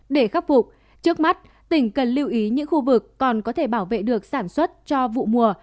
để khắc phục trước mắt tỉnh cần lưu ý những khu vực còn có thể bảo vệ được sản xuất cho vụ mùa